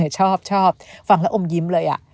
ชอบฟังแล้วอมยิ้มเลย